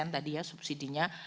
tadi ya subsidinya